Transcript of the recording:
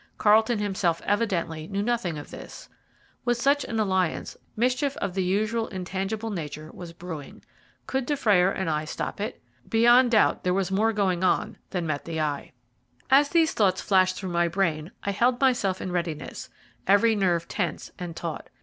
Carlton himself evidently knew nothing of this. With such an alliance, mischief of the usual intangible nature was brewing. Could Dufrayer and I stop it? Beyond doubt there was more going on than met the eye. As these thoughts flashed through my brain, I held myself in readiness, every nerve tense and taut.